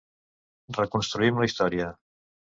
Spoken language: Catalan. Reconstruïm la història.